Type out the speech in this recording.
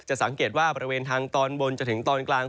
สังเกตว่าบริเวณทางตอนบนจนถึงตอนกลาง